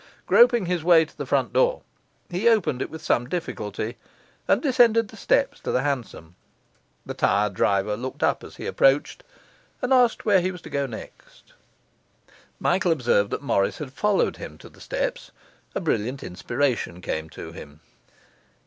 Groping his way to the front door, he opened it with some difficulty, and descended the steps to the hansom. The tired driver looked up as he approached, and asked where he was to go next. Michael observed that Morris had followed him to the steps; a brilliant inspiration came to him.